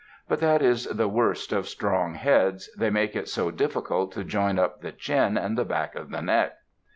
But that is the worst of strong heads; they make it so difficult to join up the chin and the back of the neck.